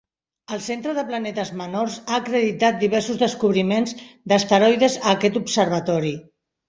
El Centre de Planetes Menors ha acreditat diversos descobriments d'asteroides a aquest Observatori.